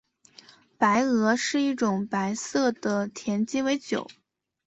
白俄是一种白色的甜鸡尾酒。